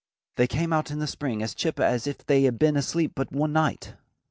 They came out in the spring as chipper as if they had been asleep but one night.